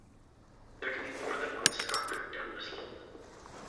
There can be more than one scarp down the slope.